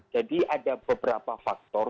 jadi ada beberapa faktor